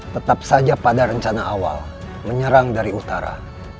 tetap saja pada rencana awal menyerang dari utara